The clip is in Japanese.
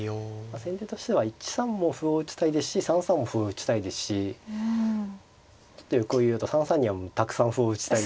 先手としては１三も歩を打ちたいですし３三も歩を打ちたいですしちょっと欲を言うと３三にはたくさん歩を打ちたい。